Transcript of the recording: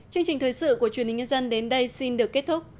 bộ truyền hình nhân dân đến đây xin được kết thúc